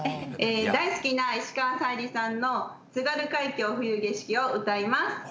大好きな石川さゆりさんの「津軽海峡・冬景色」を歌います。